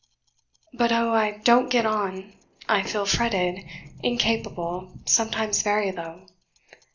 But oh I don't get on; I feel fretted incapable sometimes very low.